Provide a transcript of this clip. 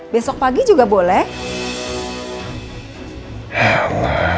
besok pagi juga boleh